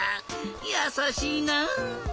やさしいな！